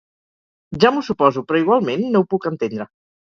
Ja m'ho suposo, però igualment no ho puc entendre.